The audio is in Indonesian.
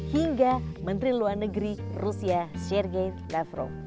hingga menteri luar negeri rusia sergei lavrov